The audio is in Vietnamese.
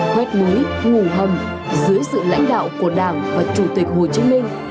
hoét ngưỡi ngủ hầm dưới sự lãnh đạo của đảng và chủ tịch hồ chí minh